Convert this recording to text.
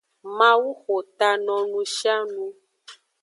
Mawu xo ta no nushianu.